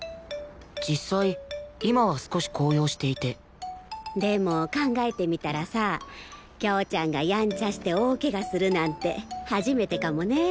実際今は少し高揚していてでも考えてみたらさ京ちゃんがやんちゃして大ケガするなんて初めてかもね。